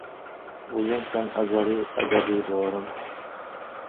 O‘zingsan azaliy, abadiy borim